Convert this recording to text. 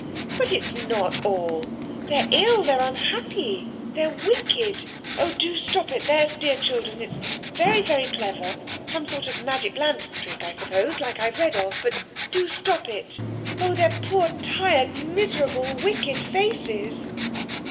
"But it's not all! They're ill, they're unhappy, they're wicked! Oh, do stop it, there's dear children. It's very, very clever. Some sort of magic lantern trick, I suppose, like I've read of. But do stop it. Oh! their poor, tired, miserable, wicked faces!"